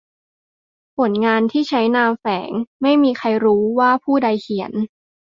ผลงานที่ใช้นามแฝง : ไม่มีใครรู้ว่าผู้ใดเขียน